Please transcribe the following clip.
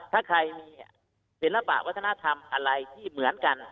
ถ้าใครมีศิลปะวัฒนธรรมอะไรที่เหมือนกัน